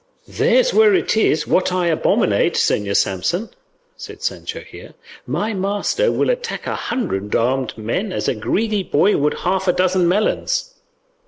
"There's where it is, what I abominate, Señor Samson," said Sancho here; "my master will attack a hundred armed men as a greedy boy would half a dozen melons.